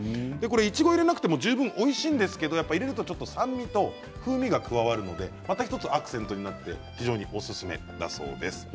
いちごを入れなくても十分おいしいんですけれど入れると酸味と風味が加わるのでまた１つアクセントになって非常におすすめだそうです。